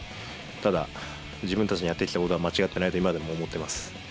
ただ、自分たちのやってきたことは間違ってないと今でも思っています。